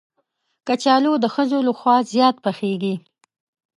کچالو د ښځو لخوا زیات پخېږي